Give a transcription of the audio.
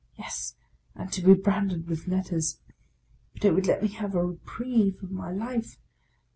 Yes, and to be branded with letters ! But it would let me have a reprieve of my life!